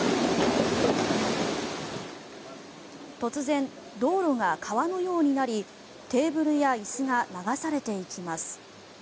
突然、道路が川のようになりテーブルや椅子が流されていきます。